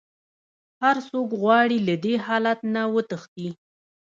هر څوک غواړي له دې حالت نه وتښتي.